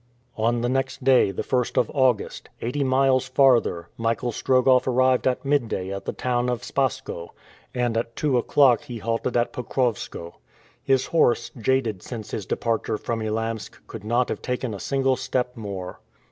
On the next day, the 1st of August, eighty miles farther, Michael Strogoff arrived at midday at the town of Spaskoe, and at two o'clock he halted at Pokrowskoe. His horse, jaded since his departure from Elamsk, could not have taken a single step more.